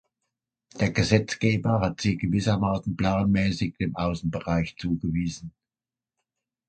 Der Gesetzgeber hat sie gewissermaßen planmäßig dem Außenbereich zugewiesen.